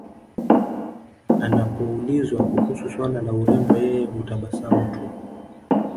Anapoulizwa kuhusu swala la urembo yeye hutabasamu tu